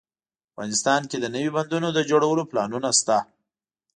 افغانستان کې د نوي بندونو د جوړولو پلانونه شته